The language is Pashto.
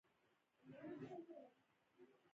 د مفتي صاحب څېړنه دې د کتاب په بڼه خپره شي.